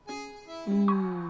うん。